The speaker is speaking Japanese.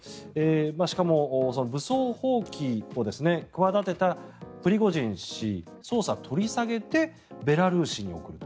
しかも武装蜂起を企てたプリゴジン氏捜査、取り下げてベラルーシに送る。